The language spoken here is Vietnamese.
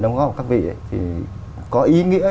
đóng góp của các vị thì có ý nghĩa